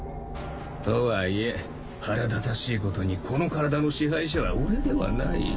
とはいえ腹立たしいことにこの体の支配者は俺ではない。